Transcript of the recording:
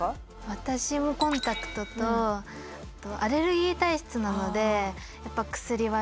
私もコンタクトとアレルギー体質なのでやっぱ薬は必要かなって思います。